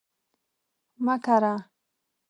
مه کره